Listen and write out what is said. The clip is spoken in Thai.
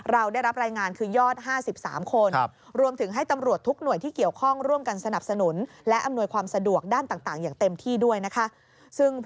เราได้รับรายงานคือยอด๕๓คน